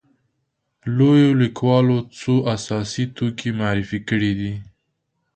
لویو لیکوالو څو اساسي توکي معرفي کړي دي.